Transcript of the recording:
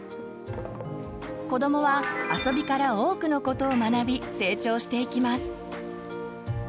子どもは「遊び」から多くの事を学び成長していきます。